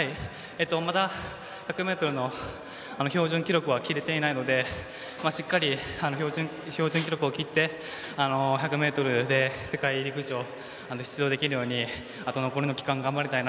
まだ１００ｍの標準記録は切れていないのでしっかり標準記録を切って１００ｍで世界陸上に出場できるようにあと残りの期間